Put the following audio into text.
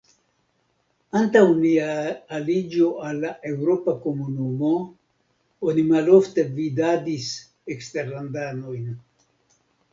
Antaŭ nia aliĝo al la eŭropa komunumo, oni malofte vidadis eksterlandanojn.